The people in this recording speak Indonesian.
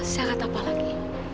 syarat apa lagi